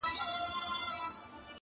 په مردار ډنډ کي به څنګه ژوند کومه -